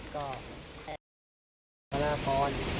ก็ขอประทับตัวคนร้ายให้ได้โดยเร็วอัน